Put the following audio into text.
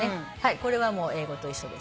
これはもう英語と一緒です。